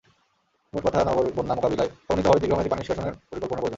মোট কথা, নগর বন্যা মোকাবিলায় সমন্বিতভাবে দীর্ঘমেয়াদি পানি নিষ্কাশনের পরিকল্পনা প্রয়োজন।